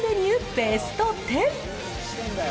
ベスト１０。